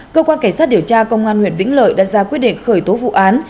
cơ quan cảnh sát điều tra công an huyện vĩnh lợi đã ra quyết định khởi tố vụ án